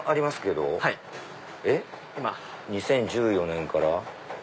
２０１４年から。